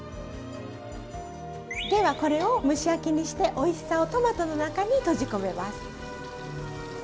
ではこれを蒸し焼きにしておいしさをトマトの中に閉じ込めます。